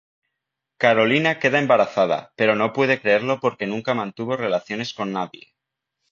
Carolina queda embarazada, pero no puede creerlo porque nunca mantuvo relaciones con nadie.